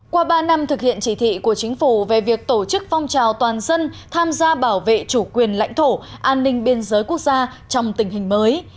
qua ba năm thực hiện chỉ thị của chính phủ về việc tổ chức phong trào toàn dân tham gia bảo vệ chủ quyền lãnh thổ an ninh biên giới quốc gia trong tình hình mới